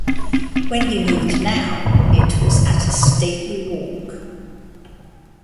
When he moved now it was at a stately walk.